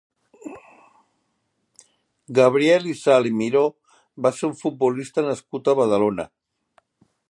Gabriel Isal i Miró va ser un futbolista nascut a Badalona.